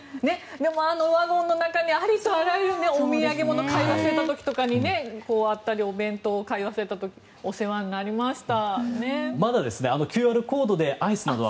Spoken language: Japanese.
あのワゴンの中にありとあらゆるお土産を買い忘れた時とかお弁当を買い忘れた時とかお世話になりました。